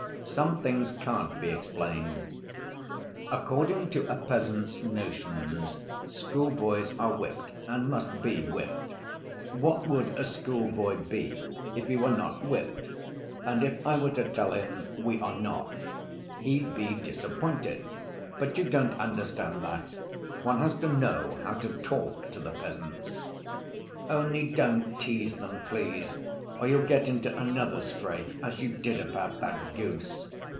Some things can't be explained. According to a peasant's notions, schoolboys are whipped, and must be whipped. What would a schoolboy be if he were not whipped? And if I were to tell him we are not, he'd be disappointed. But you don't understand that. One has to know how to talk to the peasants." "Only don't tease them, please, or you'll get into another scrape as you did about that goose."